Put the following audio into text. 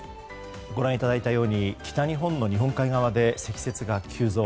ご覧いただいたように北日本の日本海側で積雪が急増。